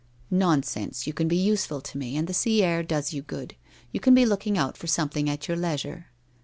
' Nonsense, you can be useful to me, and the sea air does you good. You can be looking out for something at your leisure.'